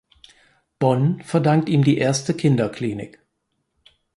Bonn verdankt ihm die erste Kinderklinik.